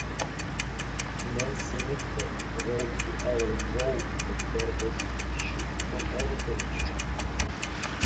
Nancy Mitford wrote to Evelyn Waugh that there was "a shriek on every page".